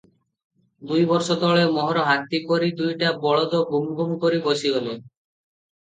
ଦୁଇବରଷ ତଳେ ମୋହର ହାତୀ ପରି ଦୁଇଟା ବଳଦ ଗୁମ୍ଗୁମ୍ କରି ବସିଗଲେ ।